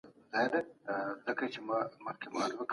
د سياستپوهني اړين او مهم عنصر سياسي قدرت دی.